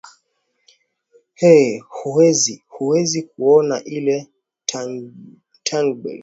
ee huwezi huwezi kuona ile tangible